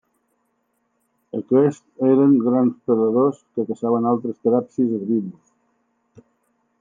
Aquests eren grans predadors que caçaven altres teràpsids herbívors.